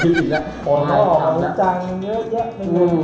ก็เหาะเอาอุจจังมากเงิน